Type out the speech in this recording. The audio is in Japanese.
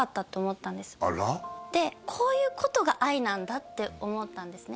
こういうことが愛なんだって思ったんですね